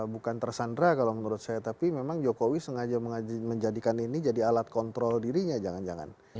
bukan tersandra kalau menurut saya tapi memang jokowi sengaja menjadikan ini jadi alat kontrol dirinya jangan jangan